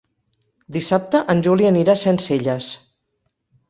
Dissabte en Juli anirà a Sencelles.